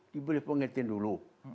diberi pengertian dulu